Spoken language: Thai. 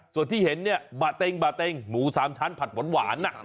ส่วนที่เห็นเนี่ยบะเต้งหมูสามชั้นผัดหมวนหวาน